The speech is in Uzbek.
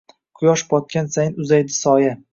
Quyosh botgan sayin uzaydi soya